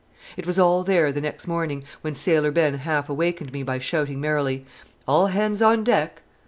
I was all there the next morning, when Sailor Ben half awakened me by shouting merrily, "All hands on deck!"